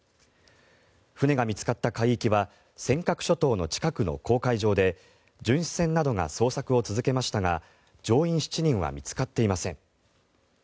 船が見つかった海域は尖閣諸島の近くの公海上で巡視船などが捜索を続けましたが乗員７人は見つかっていません。